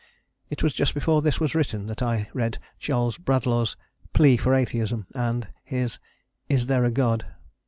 It was just before this was written that I read Charles Bradlaugh's "Plea for Atheism" and his "Is there a God?".